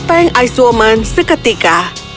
menerbangkan topeng ice woman seketika